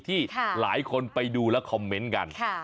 ที่หลายคนไปดูและคอมเมนต์กัน